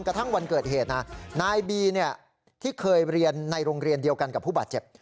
กระทั่งวันเกิดเหตุนะนายบีที่เคยเรียนในโรงเรียนเดียวกันกับผู้บาดเจ็บ